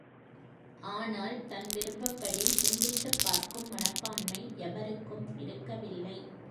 ஆனால் தன்விருப்பப்படி சிந்தித்துப் பார்க்கும் மனப்பான்மை எவருக்கும் இருக்கவில்லை.